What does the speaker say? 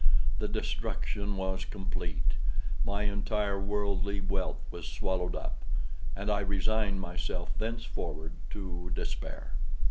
The destruction was complete. My entire worldly wealth was swallowed up, and I resigned myself thenceforward to despair.